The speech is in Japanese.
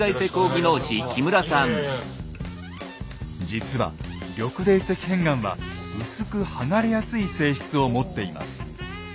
実は緑泥石片岩は薄く剥がれやすい性質を持っています。